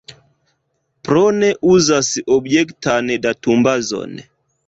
Plone uzas objektan datumbazon.